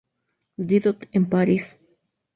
Didot, en París.